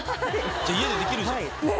じゃあ家でできるじゃん。